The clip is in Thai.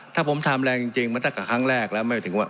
ถ้าผมทำแรงจริงมันตั้งแต่ครั้งแรกแล้วไม่ถึงว่า